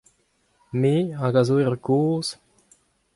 Me hag a zo erru kozh…